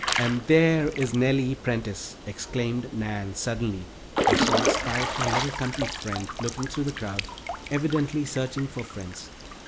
"And there is Nettie Prentice!" exclaimed Nan, suddenly, as she espied her little country friend looking through the crowd, evidently searching for friends.